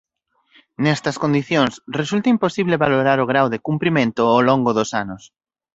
Nestas condicións resulta imposible valorar o grao de cumprimento ó longo dos anos.